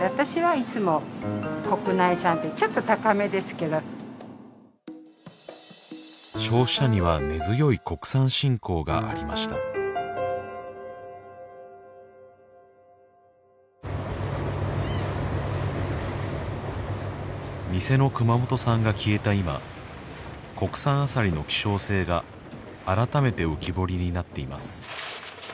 我々の消費者には根強い国産信仰がありました偽の熊本産が消えた今国産アサリの希少性が改めて浮き彫りになっています